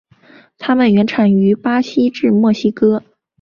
它们原产于巴西至墨西哥。